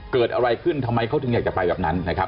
เกิดอะไรขึ้นทำไมเขาถึงอยากจะไปแบบนั้นนะครับ